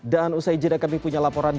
dan usai jeda kami punya laporan